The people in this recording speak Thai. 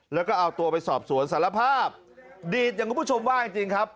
แล้วก็เอาตัวไปสอบสวนสารภาพดีดอย่างคุณผู้ชมว่าจริงจริงครับ